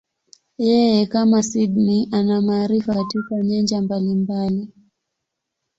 Yeye, kama Sydney, ana maarifa katika nyanja mbalimbali.